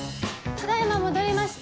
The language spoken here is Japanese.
ただ今戻りました。